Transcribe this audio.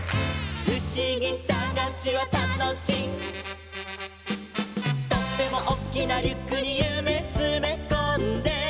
「ふしぎさがしはたのしい」「とってもおっきなリュックにゆめつめこんで」